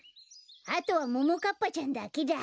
あとはももかっぱちゃんだけだ。